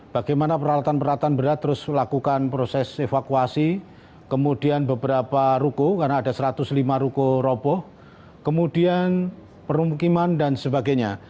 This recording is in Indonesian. bagaimana peralatan peralatan berat terus melakukan proses evakuasi kemudian beberapa ruko karena ada satu ratus lima ruko roboh kemudian permukiman dan sebagainya